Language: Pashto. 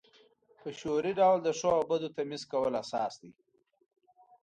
په شعوري ډول د ښو او بدو تمیز کول اساس دی.